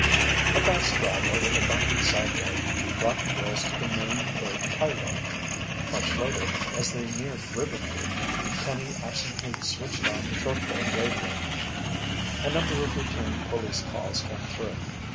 A fast drive over the bumpy sideroad brought the girls to the main paved highway. Much later, as they neared Riverview, Penny absently switched on the shortwave radio. A number of routine police calls came through.